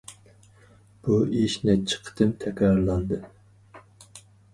بۇ ئىش نەچچە قېتىم تەكرارلاندى.